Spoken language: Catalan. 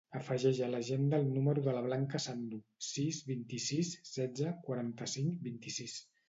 Afegeix a l'agenda el número de la Blanca Sandu: sis, vint-i-sis, setze, quaranta-cinc, vint-i-sis.